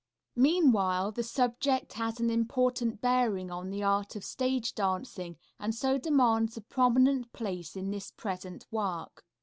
Meanwhile, the subject has an important bearing on the art of stage dancing and so demands a prominent place in this present work.